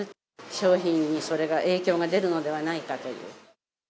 商品にそれが影響が出るのではないかという。